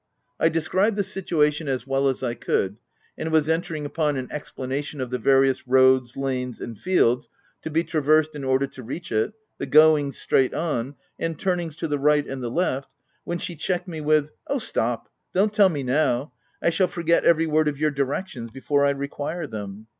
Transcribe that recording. I described the situation as well as I could, and was entering upon an explanation of the various roads, lanes, and fields to be traversed in order to reach it, the goings straight on, and turnings to the right, and the left, when she checked me with, — 88 THE TENANT " Oh, stop !— don't tell me now : I shall forget every word of your directions before I require them.